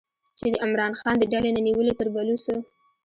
چې د عمران خان د ډلې نه نیولې تر بلوڅو